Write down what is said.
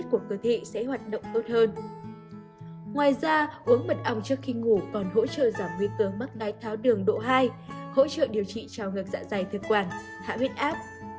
ngoài ra uống mật ong trước khi ngủ còn hỗ trợ giảm nguy cơ mắc đái tháo đường độ hai hỗ trợ điều trị cho ngược dạ dày thực quản hạ huyết áp